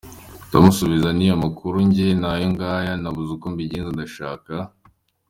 Ndamusubiza nti : amakuru yanjye ni aya ngaya, nabuze uko mbigenza, ndashaka.